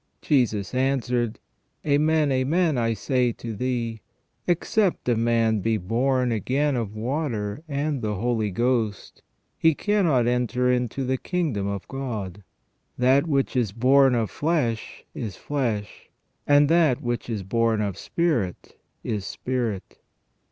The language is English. Jesus answered : Amen, amen, I say to thee : except a man be born again of water and the Holy Ghost, he cannot enter into the kingdom of God. That which is bom of flesh, is flesh ; and that which is born of spirit, is spirit."